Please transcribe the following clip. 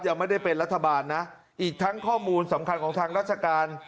ยังไม่ได้เป็นรัฐบาลนะอีกทั้งข้อมูลสำคัญของทางราชการ